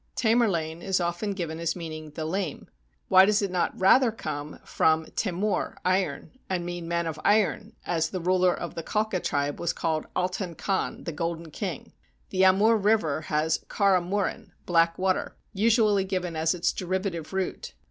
Tamerlane is often given as meaning "the lame." Why does it not rather come from le mur (iron) and mean "man of iron," as the ruler of the Khalka tribe was called Altan Khan, the golden king ? The Amur River has khara muren (black water) usually given as its derivative root.